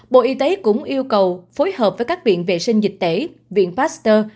bộ y tế cũng yêu cầu phối hợp với các viện vệ sinh dịch tễ viện pasteur